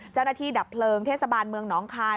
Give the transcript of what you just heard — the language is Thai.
เจ้าหน้าที่ดับเพลิงเทศบาลเมืองหนองคาย